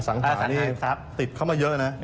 อสังหาศัพท์ติดเข้ามาเยอะนะ